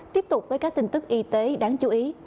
tiếp tục với các tin tức y tế đáng chú ý